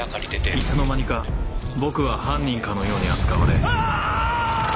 いつの間にか僕は犯人かのように扱われあぁ‼